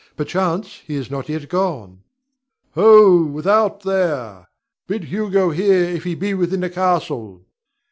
Perchance he is not yet gone. Ho, without there! Bid Hugo here if he be within the castle.